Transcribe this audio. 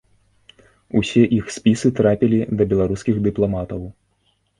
Усе іх спісы трапілі да беларускіх дыпламатаў.